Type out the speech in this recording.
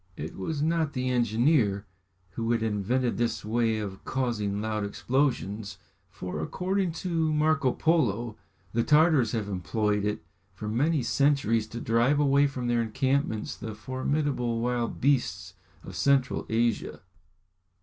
It was not the engineer who had invented this way of causing loud explosions, for, according to Marco Polo, the Tartars have employed it for many centuries to drive away from their encampments the formidable wild beasts of Central Asia.